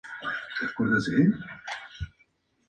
La gestión de información personal es una disciplina reciente.